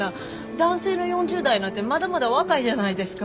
男性の４０代なんてまだまだ若いじゃないですか。